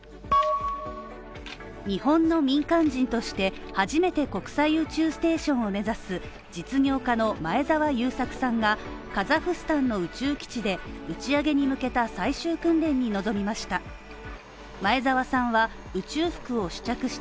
日本の民間人として初めて国際宇宙ステーションを目指す実業家の前澤友作さんが、カザフスタンの宇宙基地で打ち上げに向けた最終訓練に臨みました。